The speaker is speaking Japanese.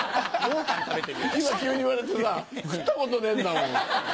今急に言われてさ食ったことねえんだもん。